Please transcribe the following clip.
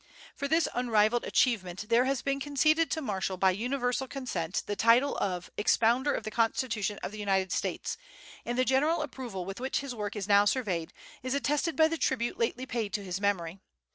For this unrivalled achievement there has been conceded to Marshall by universal consent the title of Expounder of the Constitution of the United States; and the general approval with which his work is now surveyed is attested by the tribute lately paid to his memory.